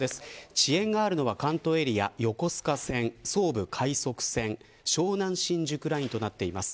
遅延があるのは関東エリア横須賀線、総武快速線湘南新宿ラインとなっています。